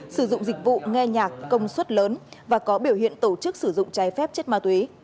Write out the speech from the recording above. sử dụng dịch vụ nghe nhạc công suất lớn và có biểu hiện tổ chức sử dụng trái phép chất ma túy